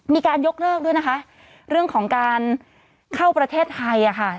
มีการยกเลิกด้วยนะคะเรื่องของการเข้าประเทศไทยอ่ะค่ะ